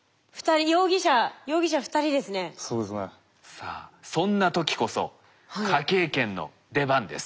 さあそんな時こそ科警研の出番です。